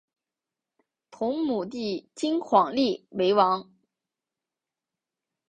同母弟金晃立为王。